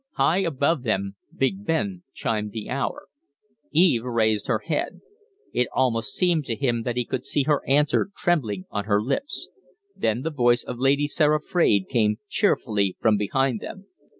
High above them Big Ben chimed the hour. Eve raised her head. It almost seemed to him that he could see her answer trembling on her lips; then the voice of Lady Sarah Fraide came cheerfully from behind them.